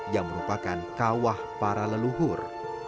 yang merupakan kawah para leluhur